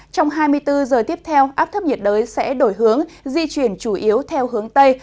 trong hai mươi bốn giờ tiếp theo áp thấp nhiệt đới sẽ đổi hướng di chuyển chủ yếu theo hướng tây